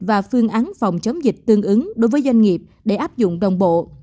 và phương án phòng chống dịch tương ứng đối với doanh nghiệp để áp dụng đồng bộ